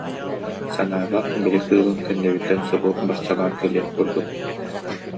Санаабар били кыылым кэннибиттэн субу барчалаан кэлиэх курдук